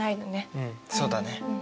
うんそうだね。